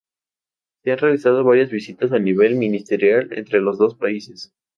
Se han realizado varias visitas a nivel ministerial entre los dos países.